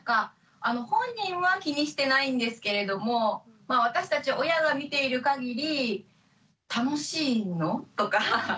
本人は気にしてないんですけれども私たち親が見ている限り楽しいの？とか。